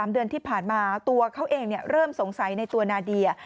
เดือนที่ผ่านมาตัวเขาเองเริ่มสงสัยในตัวนาเดีย